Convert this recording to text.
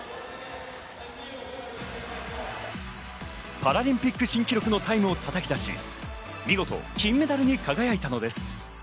パラリンピック新記録のタイムをたたき出し、見事金メダルに輝いたのです。